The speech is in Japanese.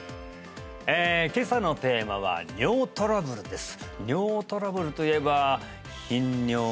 今朝のテーマは尿トラブルです